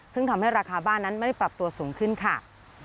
ซึ่งทำให้ราคาบ้านนั้นไม่ได้ปรับตัวสูงขึ้นค่ะ